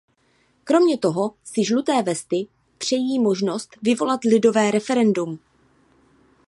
Kromě toho si žluté vesty přejí možnost vyvolat lidové referendum.